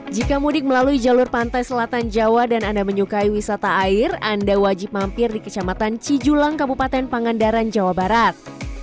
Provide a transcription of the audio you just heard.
jika mudik melalui jalur pantai selatan jawa dan anda menyukai wisata air anda wajib mampir di kecamatan cijulang kabupaten pangandaran jawa barat